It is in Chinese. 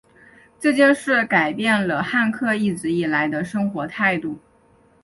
这件事改变了汉克一直以来的生活态度。